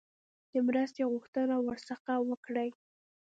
د مرستې غوښتنه ورڅخه وکړي.